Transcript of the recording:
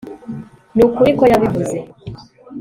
nukuri ko yabivuze